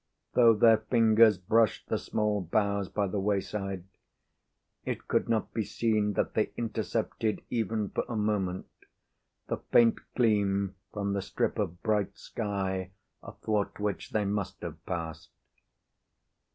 Though their figures brushed the small boughs by the wayside, it could not be seen that they intercepted, even for a moment, the faint gleam from the strip of bright sky athwart which they must have passed.